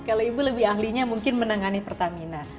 kalau ibu lebih ahlinya mungkin menangani pertamina